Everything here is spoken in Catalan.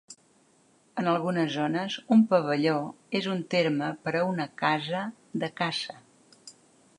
En algunes zones, un pavelló és un terme per a una casa de caça.